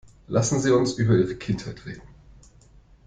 Lassen Sie uns über Ihre Kindheit reden.